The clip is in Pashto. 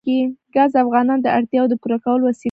ګاز د افغانانو د اړتیاوو د پوره کولو وسیله ده.